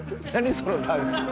そのダンス。